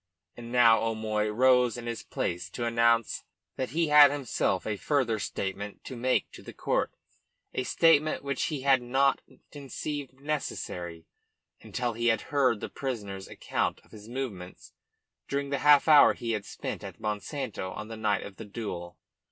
And now O'Moy rose in his place to announce that he had himself a further statement to, make to the court, a statement which he had not conceived necessary until he had heard the prisoner's account of his movements during the half hour he had spent at Monsanto on the night of the duel.